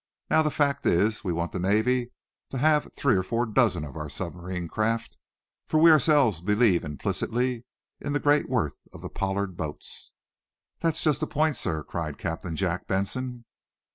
Now, the fact is, we want the Navy to have three or four dozen of our submarine craft, for we ourselves believe implicitly in the great worth of the Pollard boats." "That's just the point, sir," cried Captain Jack Benson.